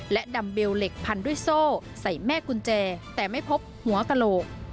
และดำเบลเหล็กพันด้วยโซ่ใส่แม่กุญแจแต่ไม่พบหัวกระโหลก